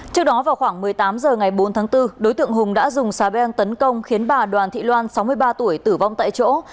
trước đó vào khoảng một mươi tám h ngày bốn tháng bốn đối tượng hùng đã dùng xà beng tấn công khiến bà đoàn thị loan sáu mươi ba tuổi tử vong tại chỗ